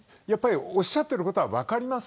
おっしゃっていることは分かります。